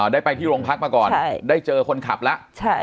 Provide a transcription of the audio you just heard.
อ่าได้ไปที่โรงพักษณ์มาก่อนใช่ได้เจอคนขับละใช่